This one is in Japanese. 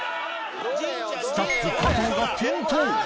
スタッフ加藤が転倒！